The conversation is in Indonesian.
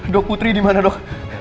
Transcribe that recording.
dok putri dimana dok